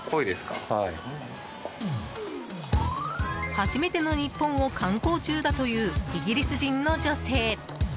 初めての日本を観光中だというイギリス人の女性。